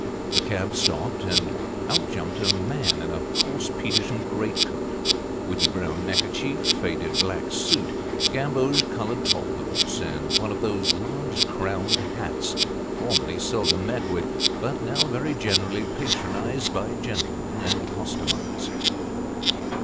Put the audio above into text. The cab stopped, and out jumped a man in a coarse Petersham great coat, whity brown neckerchief, faded black suit, gamboge coloured top boots, and one of those large crowned hats, formerly seldom met with, but now very generally patronised by gentlemen and costermongers.